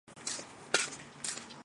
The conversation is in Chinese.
数十年的等待